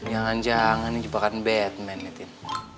jangan jangan ini jebakan batman nih tin